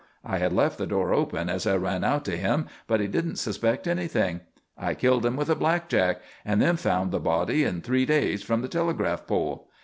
I had left the door open as I ran out to him, but he didn't suspect anything. I killed him with a blackjack and then found the body in three days, from the telegraph pole.